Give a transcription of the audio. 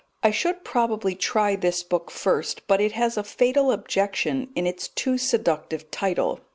I should probably try this book first, but it has a fatal objection in its too seductive title.